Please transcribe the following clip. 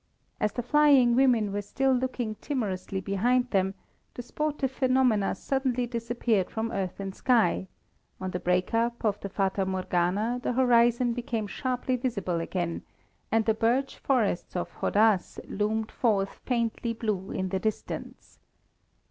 As the flying women were still looking timorously behind them, the sportive phenomena suddenly disappeared from earth and sky; on the break up of the Fata Morgana the horizon became sharply visible again, and the birch forests of Hadház loomed forth faintly blue in the distance.